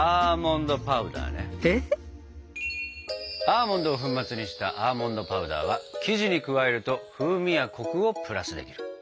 アーモンドを粉末にしたアーモンドパウダーは生地に加えると風味やコクをプラスできる。